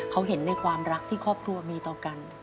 เขาเห็นในความรักที่ครอบครัวมีต่อกัน